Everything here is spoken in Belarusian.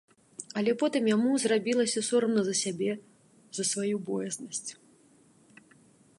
Але потым яму зрабілася сорамна за сябе, за сваю боязнасць.